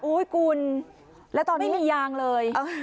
อุ๊ยคุณไม่มียางเลย